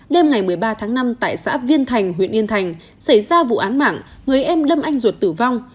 đêm ngày một mươi ba tháng năm tại xã viên thành huyện yên thành xảy ra vụ án mạng người em đâm anh ruột tử vong